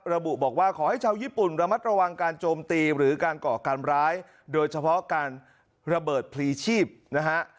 ระบุบอกว่าขอให้ชาวญี่ปุ่นระมัดระวังการโจมตีหรือการก่อการร้ายโดยเฉพาะการระเบิดพลีชีพนะฮะ